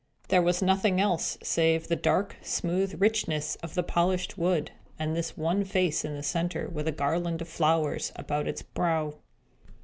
There was nothing else, save the dark, smooth richness of the polished wood, and this one face in the centre, with a garland of flowers about its brow.